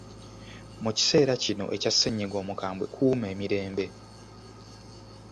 Mu kiseera kino ekya ssennyiga omukambwe kuuma emirembe.